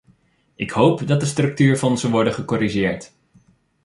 Ik hoop dat de structuurfondsen worden gecorrigeerd.